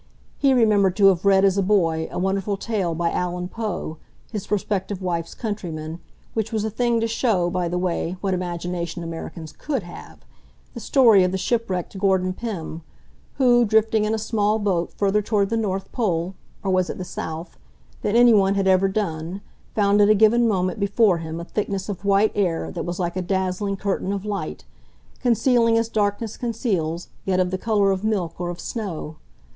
He remembered to have read, as a boy, a wonderful tale by Allan Poe, his prospective wife's countryman which was a thing to show, by the way, what imagination Americans COULD have: the story of the shipwrecked Gordon Pym, who, drifting in a small boat further toward the North Pole or was it the South? than anyone had ever done, found at a given moment before him a thickness of white air that was like a dazzling curtain of light, concealing as darkness conceals, yet of the colour of milk or of snow.